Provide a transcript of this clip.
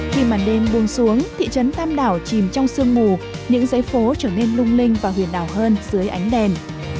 khi màn đêm buông xuống thị trấn tam đảo chìm trong sương mù những giấy phố trở nên lung linh và huyền đảo hơn dưới ánh đèn